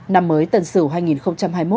năm mới tần sửu hai nghìn hai mươi một